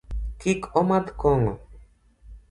Kik omadh kong'o.